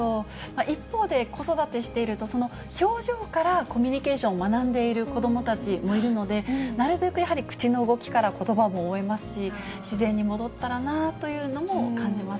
一方で、子育てしていると、その表情からコミュニケーションを学んでいる子どもたちもいるので、なるべくやはり、口の動きからことばも覚えますし、自然に戻ったらなというのも感じます。